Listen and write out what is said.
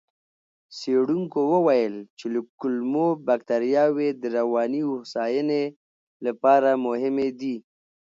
څېړونکو وویل چې کولمو بکتریاوې د رواني هوساینې لپاره مهمې دي.